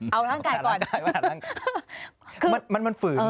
เอาร่างกายก่อน